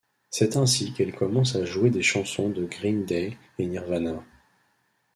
C'est ainsi qu'elle commence à jouer des chansons de Green Day et Nirvana.